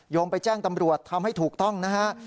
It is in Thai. ไปแจ้งตำรวจทำให้ถูกต้องนะฮะ